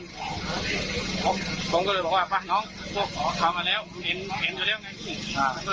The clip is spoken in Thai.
ผมก็เลยบอกว่าน้องเขามาแล้วเห็นอยู่แล้วไงพี่